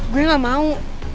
gue gak mau